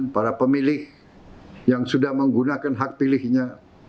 para pemilih yang sudah menggunakan hak pilihnya